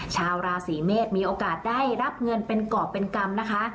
ชาวราศีเมษมีโอกาสได้รับเงินเป็นกรอบเป็นกรรมนะคะ